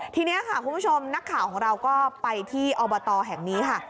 ทีนี้ค่ะคุณผู้ชมนักข่าวของเราก็ไปที่อบตแห่งนี้ค่ะ